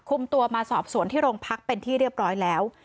คุมตัวมาสอบสวนที่โรงพักเป็นที่เรียบร้อยแล้ว